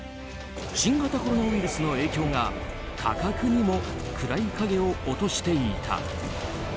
新型コロナウイルスの影響が価格にも暗い影を落としていた。